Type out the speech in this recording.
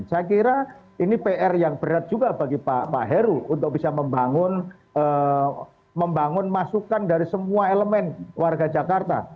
saya kira ini pr yang berat juga bagi pak heru untuk bisa membangun masukan dari semua elemen warga jakarta